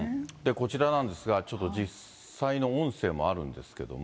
こちらなんですが、ちょっと実際の音声もあるんですけれども。